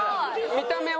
見た目は？